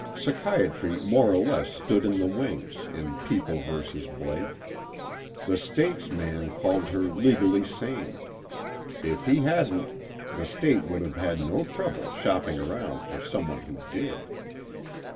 _ Psychiatry more or less stood in the wings, in People vs. Blake. The State's man called her legally sane. If he hadn't, the State would have had no trouble shopping around for someone who did.